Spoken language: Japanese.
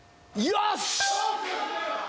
よし！